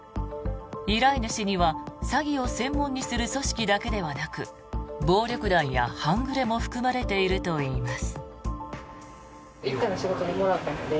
依頼主には、詐欺を専門にする組織だけではなく暴力団や半グレも含まれているといいます。